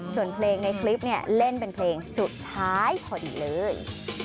ส่วนเพลงในคลิปเนี่ยเล่นเป็นเพลงสุดท้ายพอดีเลย